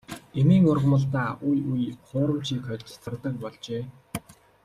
Эмийн ургамалдаа үе үе хуурамчийг хольж зардаг болжээ.